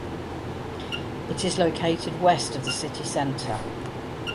It is located west of the city center.